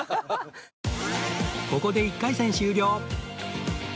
ここで１回戦終了